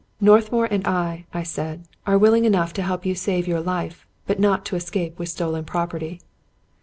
" Northmour and I," I said, " are willing enough to help you to save your life, but not to escape with stolen prop erty."